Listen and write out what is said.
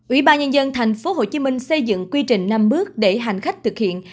ủy ban nhân dân tp hcm xây dựng quy trình năm bước để hành khách thực hiện